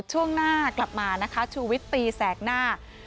ช่วงหน้ากลับมานะคะชูวิตตีแสกหน้า